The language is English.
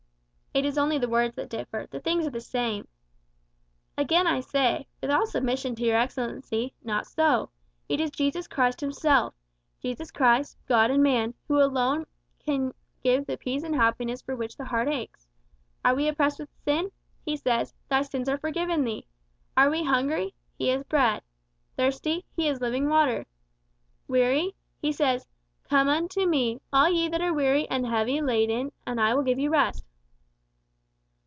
"It is only the words that differ, the things are the same." "Again I say, with all submission to your Excellency, not so. It is Christ Jesus himself Christ Jesus, God and man who alone can give the peace and happiness for which the heart aches. Are we oppressed with sin? He says, 'Thy sins are forgiven thee!' Are we hungry? He is bread. Thirsty? He is living water. Weary? He says, 'Come unto me, all ye that are weary and heavy laden, and I will give you rest!